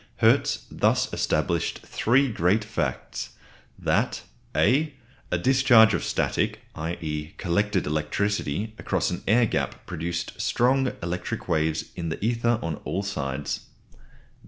Hertz thus established three great facts, that (a) A discharge of static (i.e. collected) electricity across an air gap produced strong electric waves in the ether on all sides.